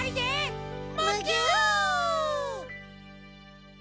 むぎゅ！